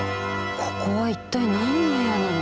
ここは一体何の部屋なの？